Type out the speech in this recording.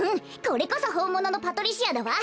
これこそほんもののパトリシアだわ。